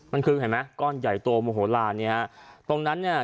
มันคือเห็นไหมก้อนใหญ่ตัวโมโหลานเนี่ยฮะตรงนั้นเนี่ย